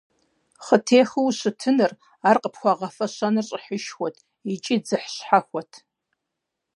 Хъытехыу ущытыныр, ар къыпхуагъэфэщэныр щӀыхьышхуэт икӀи дзыхь щхьэхуэт.